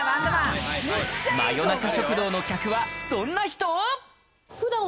真夜中食堂のお客はどんな人？